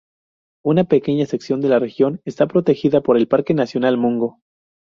Una pequeña sección de la región está protegida por el Parque Nacional Mungo.